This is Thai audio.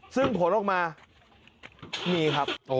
ซึ่งผลออกมามีครับ